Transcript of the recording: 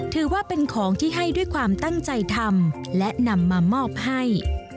ถือว่าเป็นของที่ให้ด้วยความตั้งใจทำและนำมามอบให้